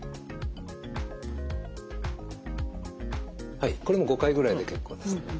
はいこれも５回ぐらいで結構です。